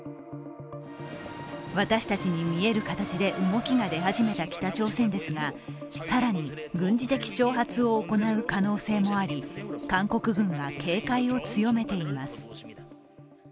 私たちに見える形で動きが出始めた北朝鮮ですが、更に軍事的挑発を行う可能性もあり、韓国軍が警戒を強めています。